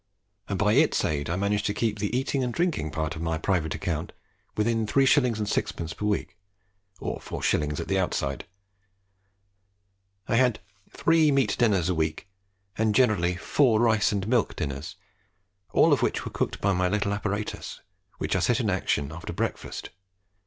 and by its aid I managed to keep the eating and drinking part of my private account within 3s. 6d. per week, or 4s. at the outside. I had three meat dinners a week, and generally four rice and milk dinners, all of which were cooked by my little apparatus, which I set in action after breakfast.